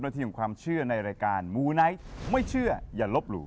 ทีของความเชื่อในรายการมูไนท์ไม่เชื่ออย่าลบหลู่